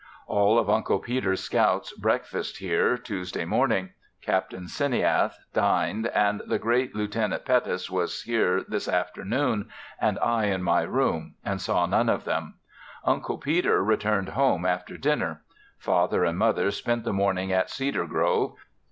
All of Uncle Peter's scouts breakfasted here. Tuesday morning, Captain Sineath dined, and the great Lieut. Pettus was here this afternoon, and I in my room, and saw none of them. Uncle Peter returned home after dinner. Father and Mother spent the morning at Cedar Grove.